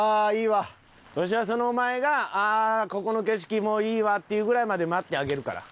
わしはそのお前が「ああここの景色もういいわ」って言うぐらいまで待ってあげるから。